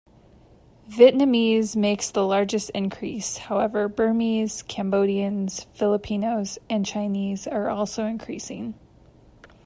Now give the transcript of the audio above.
Vietnamese makes the largest increase, however Burmese, Cambodians, Filipinos and Chinese are also increasing.